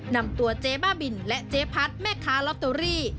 นำตัวเจ๊บ้าบินและเจ๊พัดแม่ค้าลอตเตอรี่